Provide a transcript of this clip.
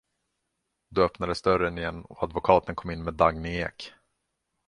Då öppnades dörren igen och advokaten kom in med Dagny Ek.